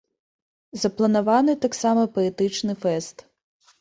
Запланаваны таксама паэтычны фэст.